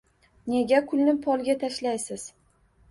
Nega kulni polga tashlaysiz?